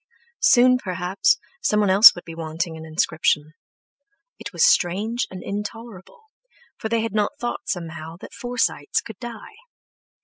Soon perhaps, someone else would be wanting an inscription. It was strange and intolerable, for they had not thought somehow, that Forsytes could die.